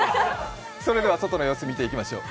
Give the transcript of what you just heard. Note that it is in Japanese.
それでは外の様子を見てみましょう。